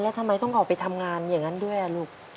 แล้วทำไมต้องออกไปทำงานอย่างนั้นด้วยลูก